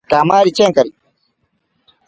Kamari chenkari.